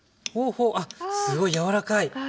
あっすごい柔らかい。